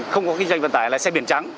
không có kinh doanh vận tải là xe biển trắng